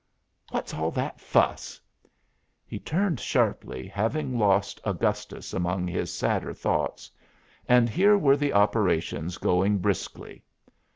What's all that fuss?" He turned sharply, having lost Augustus among his sadder thoughts; and here were the operations going briskly.